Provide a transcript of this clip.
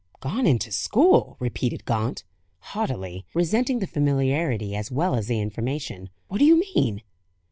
"Gone into school!" repeated Gaunt, haughtily, resenting the familiarity, as well as the information. "What do you mean?"